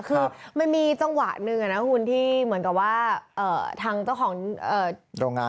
คือมันมีจังหวะหนึ่งนะคุณที่เหมือนกับว่าทางเจ้าของโรงงาน